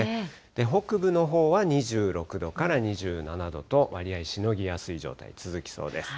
北部のほうは２６度から２７度と、割合しのぎやすい状態、続きそうです。